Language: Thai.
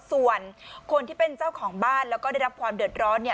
ส่วนคนที่เป็นเจ้าของบ้านแล้วก็ได้รับความเดือดร้อนเนี่ย